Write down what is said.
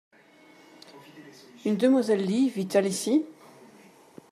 Une demoiselle Lee vit-elle ici ?